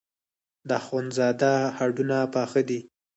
د اخوندزاده هډونه پاخه دي.